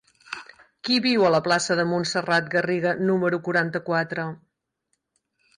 Qui viu a la plaça de Montserrat Garriga número quaranta-quatre?